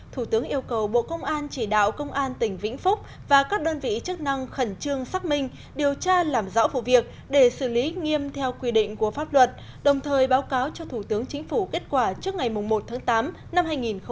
thủ tướng yêu cầu bộ công an chỉ đạo công an tỉnh vĩnh phúc và các đơn vị chức năng khẩn trương xác minh điều tra làm rõ vụ việc để xử lý nghiêm theo quy định của pháp luật đồng thời báo cáo cho thủ tướng chính phủ kết quả trước ngày một tháng tám năm hai nghìn hai mươi